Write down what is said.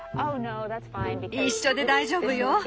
一緒で大丈夫よ。